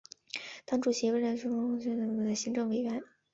党主席为为当然中央执行委员及常务执行委员。